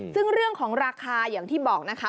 ซึ่งเรื่องของราคาอย่างที่บอกนะคะ